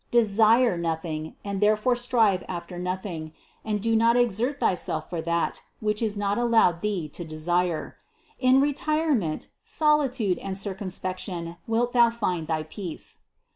Desire nothing, and therefore strive after nothing, and do not exert thyself for that, which is not allowed thee to desire. In retirement, solitude and circumspec tion wilt thou find thy peace.